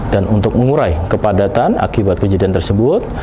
dan untuk mengurai kepadatan akibat kejadian tersebut